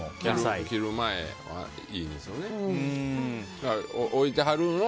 切る前がいいんですよね。